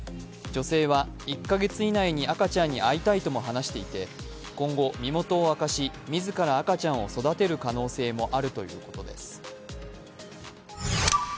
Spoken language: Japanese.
女性は１カ月以内に赤ちゃんに会いたいとも話していて、今後、身元を明かし自ら赤ちゃんを育てる可能性もあるということです。